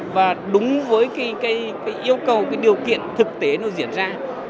và đúng với cái yêu cầu cái điều kiện thực tế nó diễn ra